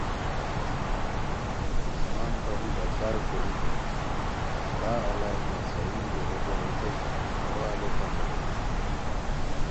آسمان پاری بشار کوریکو کا الائے مہ سایورجو ریکو ریتائے کی اوا الیتام ریتائے